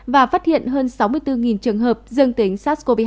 và phát hiện hơn sáu mươi bốn trường hợp dương tính sars cov hai